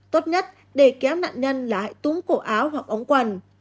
tốt nhất để kéo nạn nhân là hãy túm cổ áo hoặc ống quần